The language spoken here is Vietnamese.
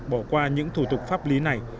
bỏ qua những thủ tục pháp lý này